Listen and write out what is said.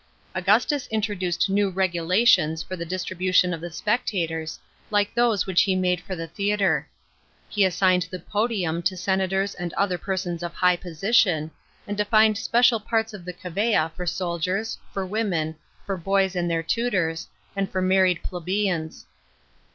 Augustus introduced new regulations <or the distribution of the spectators, like those which he made for the theatre. He assigned the podium to senators and other persons of high position, and defined special parts of the cavea for soldiers, for women, for boys and their tutors, and for married plebeians.